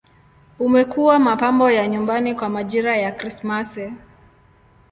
Umekuwa mapambo ya nyumbani kwa majira ya Krismasi.